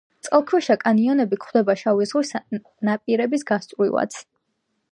წყალქვეშა კანიონები გვხვდება შავი ზღვის ნაპირების გასწვრივაც.